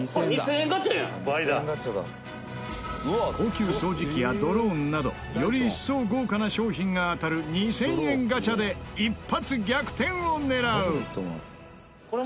高級掃除機やドローンなどより一層豪華な賞品が当たる２０００円ガチャで一発逆転を狙う！